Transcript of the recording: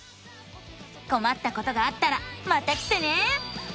こまったことがあったらまた来てね！